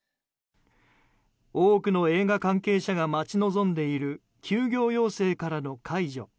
多くの映画関係者が待ち望んでいる休業要請からの解除。